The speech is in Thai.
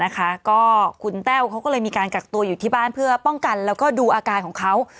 ก็คุณแต้วเขาก็เลยมีการกักตัวอยู่ที่บ้านเพื่อป้องกันแล้วก็ดูอาการของเขา